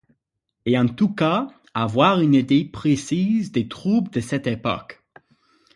Et, en tout cas, avoir une idée précise des troubles de cette époque.